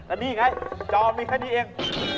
อันนี้ไงจอมีแค่นี้เอง